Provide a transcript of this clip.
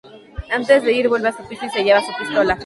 Antes de ir, vuelve a su piso, y se lleva su pistola.